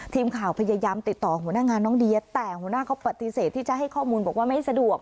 ทีมข่าวพยายามติดต่อหัวหน้างานน้องเดียแต่หัวหน้าเขาปฏิเสธที่จะให้ข้อมูลบอกว่าไม่สะดวก